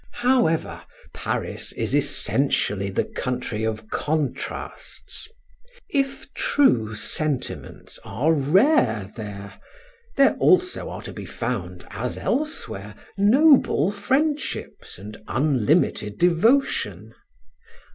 However, Paris is essentially the country of contrasts. If true sentiments are rare there, there also are to be found, as elsewhere, noble friendships and unlimited devotion.